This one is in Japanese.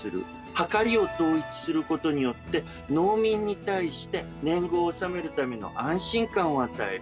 はかりを統一する事によって農民に対して年貢を納めるための安心感を与える。